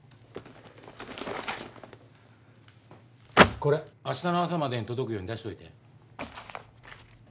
これ明日の朝までに届くように出しといて。